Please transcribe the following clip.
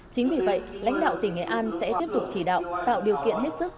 chính vì vậy lãnh đạo tỉnh nghệ an sẽ tiếp tục chỉ đạo tạo điều kiện hết sức